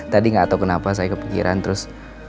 tadi gak tau kenapa saya kepikiran terus